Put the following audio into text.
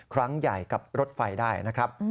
ครั้งใหญ่กับรถไฟได้นะครับ